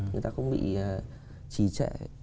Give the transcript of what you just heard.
người ta không bị trì trệ